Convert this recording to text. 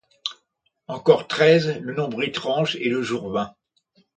Encor treize, le nombre étrange, et le jour vint.